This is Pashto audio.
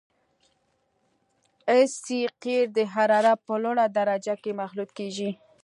اس سي قیر د حرارت په لوړه درجه کې مخلوط کیږي